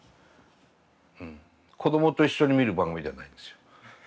うん子どもと一緒に見る番組ではないんですよ。